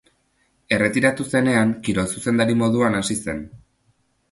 Erretiratu zenean, kirol-zuzendari moduan hasi zen.